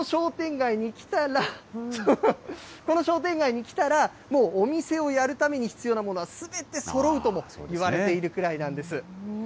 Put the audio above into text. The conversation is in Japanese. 本当にこの商店街に来たら、もうお店をやるために必要なものはすべてそろうとも言われているくらいなんです。